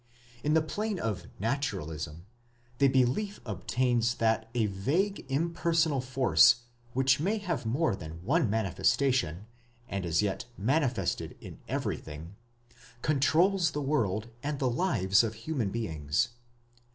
In the plane of Naturalism the belief obtains that a vague impersonal force, which may have more than one manifestation and is yet manifested in everything, controls the world and the lives of human beings.